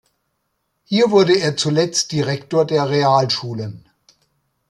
Hier wurde er zuletzt Direktor der Realschulen.